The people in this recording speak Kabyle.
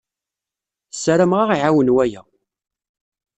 Ssaramaɣ ad aɣ-iɛawen waya.